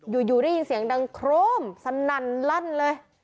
อยู่ได้ยินเสียงดังโครมสนั่นลั่นเลย